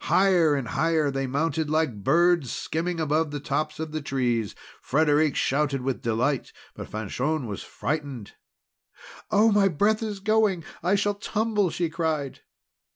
Higher and higher they mounted like birds, skimming above the tops of the trees. Frederic shouted with delight, but Fanchon was frightened. "Oh, my breath is going! I shall tumble!" she cried.